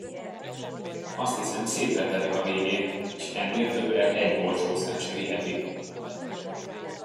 Azt hiszem, szétrepedek a végén, s ennél többre egy borsószem se viheti!